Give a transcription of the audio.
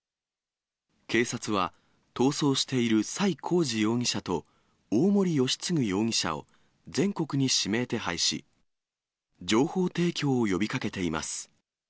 警察は、逃走している崔浩司容疑者と、大森由嗣容疑者を全国に指名手配し、情報提供を呼びかけています。